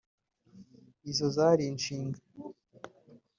izo zari inshinga.